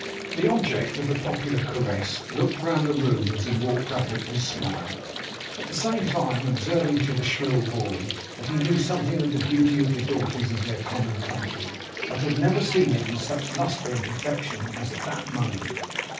The object of the popular caress looked round the room as he walked up it, and smiled; at the same time observing to the shrill boy, that he knew something of the beauty of the daughters of their common country, but had never seen it in such lustre and perfection as at that moment.